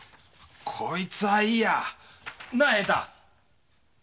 こいつはいいやなあ栄太。